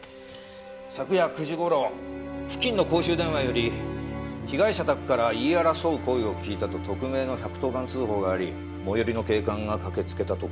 昨夜９時頃付近の公衆電話より被害者宅から言い争う声を聞いたと匿名の１１０番通報があり最寄りの警官が駆けつけたところ。